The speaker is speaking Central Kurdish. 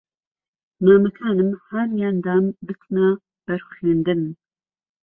مامەکانم ھانیان دام بچمە بەر خوێندن